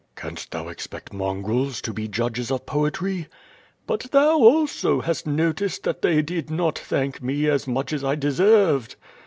*' "Canst thou expect mongrels to be judges of poetry?'' "But thou also hast noticed that they did not thank me as much BB I deserved."